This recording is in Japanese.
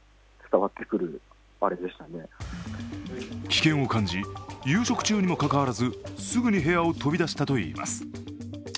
危険を感じ、夕食中にもかかわらず、すぐに部屋を飛び出したといいます。